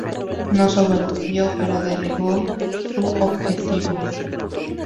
No sobrevivió, pero derribó su objetivo.